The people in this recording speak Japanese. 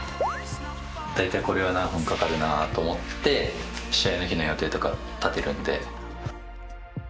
だいたいこれは何分かかるなと思って試合の日の予定とか立てるんで。